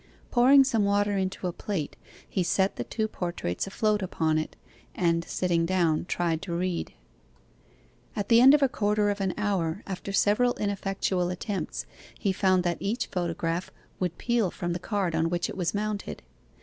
Pouring some water into a plate, he set the two portraits afloat upon it, and sitting down tried to read. At the end of a quarter of an hour, after several ineffectual attempts, he found that each photograph would peel from the card on which it was mounted.